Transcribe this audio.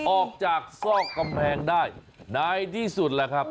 ออกจากซอกกำแพงได้ในที่สุดแหละครับ